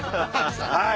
はい。